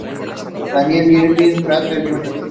Daniel Irvin Rather Jr.